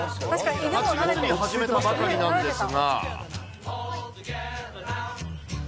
８月に始めたばかりなんですが。